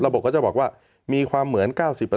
ระบบก็จะบอกว่ามีความเหมือน๙๐๙๕๙๘